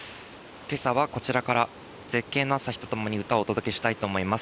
今朝はこちらから絶景の朝日と共に歌を届けたいと思います。